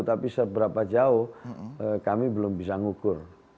tapi seberapa jauh kami belum bisa ngukur